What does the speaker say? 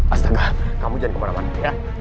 astaga kamu jangan kemana mana ya